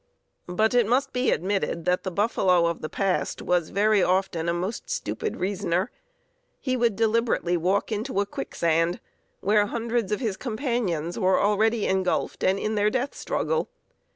But it must be admitted that the buffalo of the past was very often a most stupid reasoner. He would deliberately walk into a quicksand, where hundreds of his companions were already ingulfed and in their death struggle.